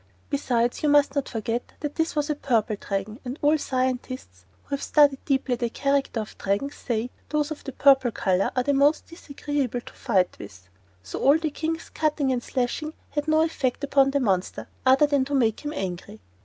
Besides, you must not forget that this was a Purple Dragon, and all scientists who have studied deeply the character of Dragons say those of a purple color at the most disagreeable to fight with. So all the King's cutting and slashing had no effect upon the monster other than to make him angry.